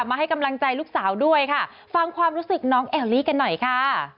ให้กำลังใจลูกสาวด้วยค่ะฟังความรู้สึกน้องแอลลี่กันหน่อยค่ะ